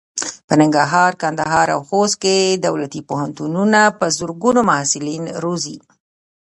په ننګرهار، کندهار او خوست کې دولتي پوهنتونونه په زرګونو محصلین روزي.